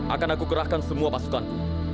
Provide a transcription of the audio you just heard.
akan aku gerahkan semua pasukanku